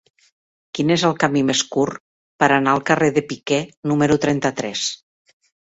Quin és el camí més curt per anar al carrer de Piquer número trenta-tres?